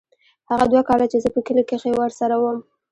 هغه دوه کاله چې زه په کلي کښې ورسره وم.